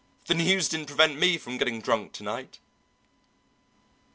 The news didn't prevent me from getting drunk to night."